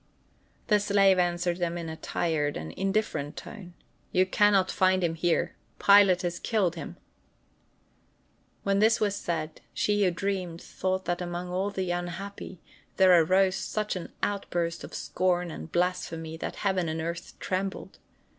The slave answered them in a tired and indifferent tone: "You can not find him here. Pilate has killed him." When this was said, she who dreamed thought that among all the unhappy there arose such an outburst of scorn and blasphemy that heaven and earth trembled.